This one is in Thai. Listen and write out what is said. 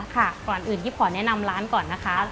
ก่อนอื่นยิปขอแนะนำร้านก่อนนะคะ